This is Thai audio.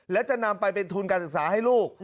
และจะนำไปเป็นทุนการศึกษาให้ลูก